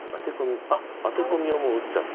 あっアテコミをもう打っちゃった。